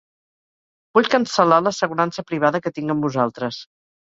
Vull cancel·lar l'assegurança privada que tinc amb vosaltres.